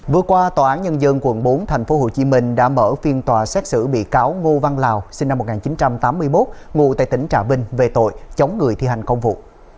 vừa qua tòa án nhân dân quận bốn tp hcm đã mở phiên tòa xét xử bị cáo ngô văn lào sinh năm một nghìn chín trăm tám mươi một ngụ tại tỉnh trà vinh về tội chống người thi hành công vụ